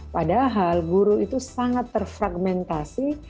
padahal guru itu sangat terfragmentasi